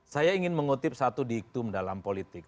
saya ingin mengutip satu diktum dalam politik